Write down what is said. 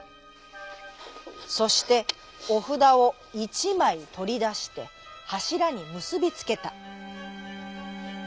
そしておふだをいちまいとりだしてはしらにむすびつけた。